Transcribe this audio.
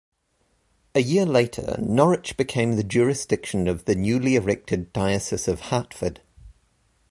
A year later, Norwich became the jurisdiction of the newly erected Diocese of Hartford.